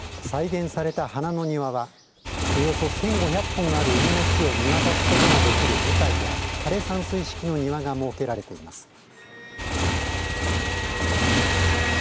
再現された花の庭はおよそ１５００本ある梅の木を見渡すことができる舞台や枯山水式の庭が設けられています。